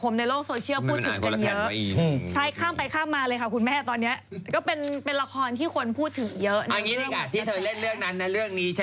มาเลยค่ะทีนี้ก็เป็นเป็นละครที่คนคุยพูดเยอะ